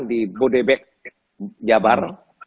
di bodebek jabar